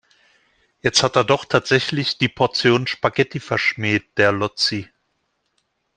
Jetzt hat er doch tatsächlich die Portion Spaghetti verschmäht, der Lotzi.